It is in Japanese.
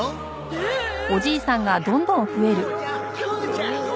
うん？